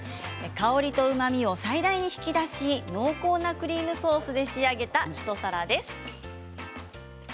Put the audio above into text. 香りとうまみを最大に引き出し濃厚なクリームソースで仕上げた一皿です。